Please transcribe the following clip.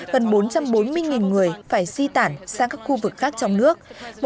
gần bốn trăm bốn mươi người phải di tản sang các khu vực khác trong nước